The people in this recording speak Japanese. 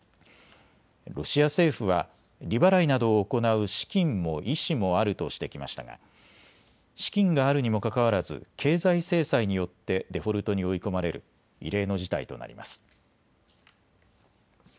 ロシア政府は利払いなどを行う資金も意思もあるとしてきましたが資金があるにもかかわらず経済制裁によってデフォルトに追い込まれる異例の事態となります。